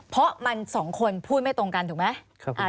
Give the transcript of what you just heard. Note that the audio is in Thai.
เพราะมันสองคนพูดไม่ตรงกันถูกไหม